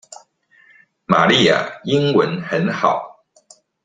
瑪麗亞英文很好